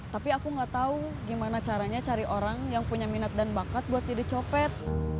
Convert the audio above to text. tapi aku gak tau gimana caranya cari orang yang punya minat dan bakat buat jadi copet